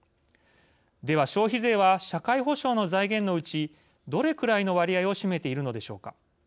では、消費税は社会保障の財源のうちどれくらいの割合を占めているのでしょうか。